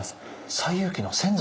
西遊記の先祖！